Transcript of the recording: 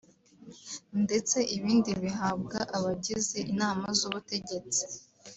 ndetse ibindi bihabwa abagize inama z’Ubutegetsi